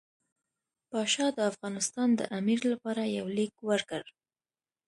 پاشا د افغانستان د امیر لپاره یو لیک ورکړ.